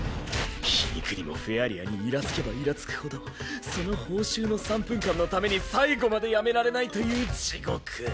皮肉にもフェアリアにイラつけばイラつくほどその報酬の３分間のために最後までやめられないという地獄。